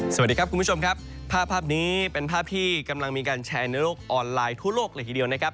สวัสดีครับคุณผู้ชมครับภาพภาพนี้เป็นภาพที่กำลังมีการแชร์ในโลกออนไลน์ทั่วโลกเลยทีเดียวนะครับ